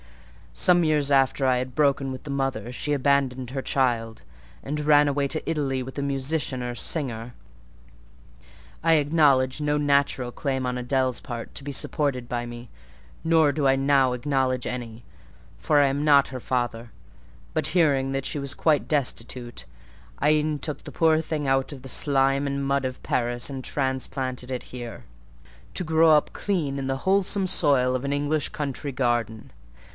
Some years after I had broken with the mother, she abandoned her child, and ran away to Italy with a musician or singer. I acknowledged no natural claim on Adèle's part to be supported by me, nor do I now acknowledge any, for I am not her father; but hearing that she was quite destitute, I e'en took the poor thing out of the slime and mud of Paris, and transplanted it here, to grow up clean in the wholesome soil of an English country garden.